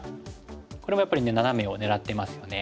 これもやっぱりナナメを狙ってますよね。